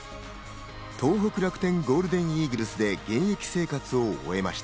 東北楽天ゴールデンイーグルスで現役生活を終えました。